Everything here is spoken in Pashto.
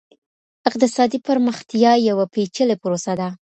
اقتصادي پرمختیا یوه پېچلې پروسه ده.